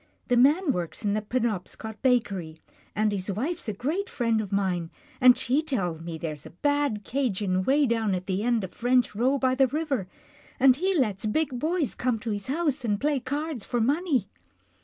The man works in the Penobscot Ba kery, and his wife's a great friend of mine, and she tells me there's a bad 'Cajien way down at the end of French Row by the river, and he lets big boys come to his house and play cards for money."